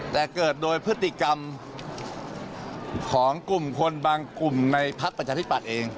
แต่เกิดโดยพฤติกรรมของกลุ่มคนบางกลุ่มในพักประชาธิปัตย์เอง